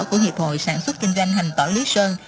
của hiệp hội sản xuất kinh doanh hành tỏ lý sơn